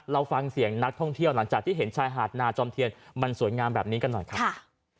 เราฟังเสียงนักท่องเที่ยวหลังจากที่เห็นชายหาดนาจอมเทียนมันสวยงามแบบนี้กันหน่อยครับ